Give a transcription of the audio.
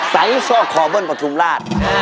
ใสซอกคอเบิ้ลปฐุมราช